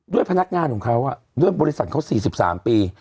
พนักงานของเขาด้วยบริษัทเขา๔๓ปี